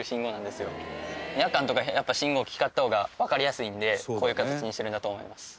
夜間とかやっぱ信号機光った方がわかりやすいんでこういう形にしてるんだと思います。